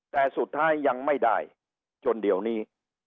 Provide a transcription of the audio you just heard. แต่สุดท้ายยังไม่ได้จนเดี๋ยวนี้